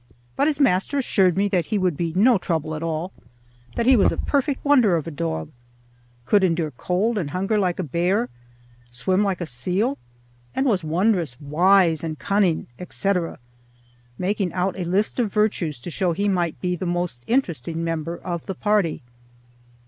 But his master assured me that he would be no trouble at all; that he was a perfect wonder of a dog, could endure cold and hunger like a bear, swim like a seal, and was wondrous wise and cunning, etc., making out a list of virtues to show he might be the most interesting member of the party.